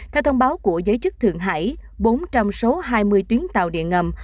theo thông báo của giới chức thượng hải bốn trăm linh số hai mươi tuyến tàu điện ngầm